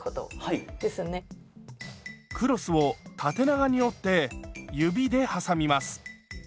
クロスを縦長に折って指で挟みます。